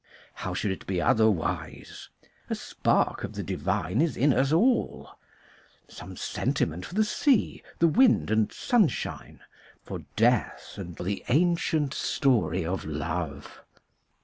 How should it be otherwise? A spark of the divine is in us all; some sentiment for the sea, the wind and sunshine, for death and for the ancient story of love.